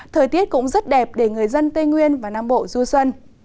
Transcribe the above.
thời tiết cũng rất đẹp để người dân tây nguyên và nam bộ du xuân